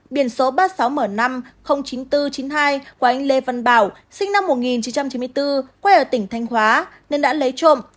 biển số ba mươi sáu m năm chín nghìn bốn trăm chín mươi hai của anh lê văn bảo sinh năm một nghìn chín trăm chín mươi bốn quê ở tỉnh thanh hóa nên đã lấy trộm